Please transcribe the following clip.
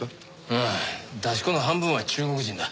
ああ出し子の半分は中国人だ。